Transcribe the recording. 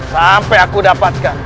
sampai aku dapatkan